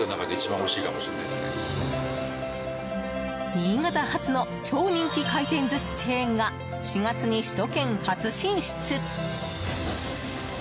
新潟発の超人気回転寿司チェーンが４月に首都圏初進出！